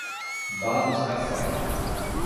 Barros Cassal